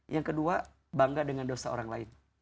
yang kedua bangga dengan dosa orang lain